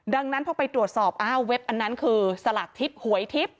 ดังนั้นพอไปตรวจสอบอ้าวเว็บอันนั้นคือสลากทิพย์หวยทิพย์